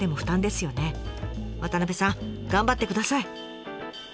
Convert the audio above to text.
渡さん頑張ってください。